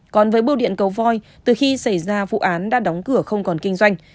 còn với bưu điện cầu voi từ khi xảy ra vụ án đã đóng cửa không còn kinh doanh